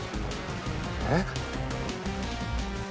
えっ！？